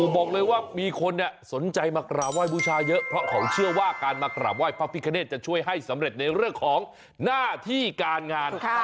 บอกเลยว่ามีคนสนใจมากราบไห้บูชาเยอะเพราะเขาเชื่อว่าการมากราบไห้พระพิคเนธจะช่วยให้สำเร็จในเรื่องของหน้าที่การงาน